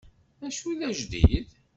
Dacu i d ajdid?